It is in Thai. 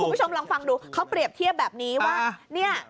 คุณผู้ชมลองฟังดูเขาเปรียบเทียบแบบนี้ว่าเนี่ย